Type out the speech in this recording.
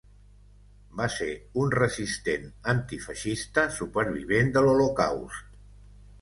Va ser un resistent antifeixista, supervivent de l'Holocaust.